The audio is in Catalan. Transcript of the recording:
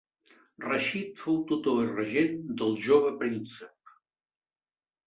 Rashid fou tutor i regent del jove príncep.